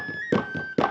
di tempat lain